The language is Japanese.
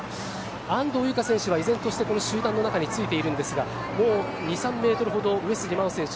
安藤友香選手は依然としてこの集団の中についているんですがもう２３ｍほど上杉真穂選手